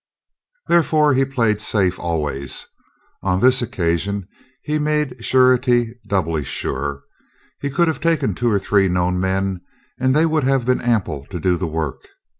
Therefore he played safe always. On this occasion he made surety doubly sure. He could have taken two or three known men, and they would have been ample to do the work.